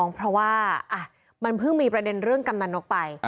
เพราะว่ามันเพิ่งมีประเด็นเรื่องกำนันนกไป